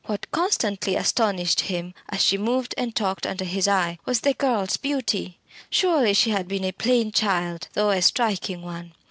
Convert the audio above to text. What constantly astonished him, as she moved and talked under his eye, was the girl's beauty. Surely she had been a plain child, though a striking one.